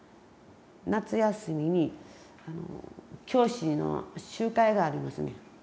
夏休みに教師の集会がありますねん。